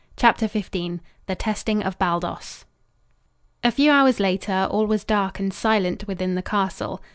CHAPTER XV THE TESTING OF BALDOS A few hours later, all was dark and silent within the castle.